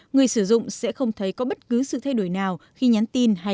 người sử dụng sẽ không thấy có bất cứ sự thay đổi nào khi nhắn tin hay gọi điện thoại